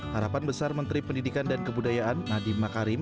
harapan besar menteri pendidikan dan kebudayaan nadiem makarim